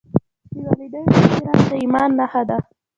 د والدینو احترام د ایمان نښه ده.